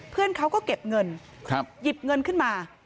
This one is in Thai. เพื่อนเขาก็เก็บเงินหยิบเงินขึ้นมา